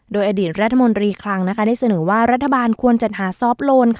โดยอดีตรัฐมนตรีคลังได้เสนอว่ารัฐบาลควรจัดหาซอฟต์โลน